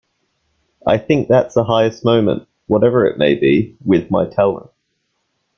I think that's the highest moment, whatever it may be, with my talent.